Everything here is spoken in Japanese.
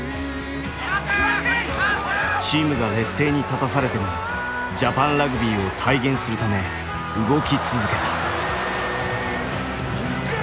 チームが劣勢に立たされてもジャパンラグビーを体現するため動き続けた。